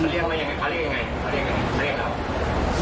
เขาเรียกมายังไงเขาเรียกเรา